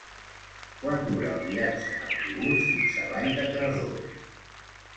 Quant dura el viatge en autobús fins a Vall de Cardós?